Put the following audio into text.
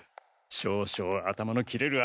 少々頭の切れる